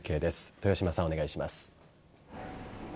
豊嶋さん、お願いします。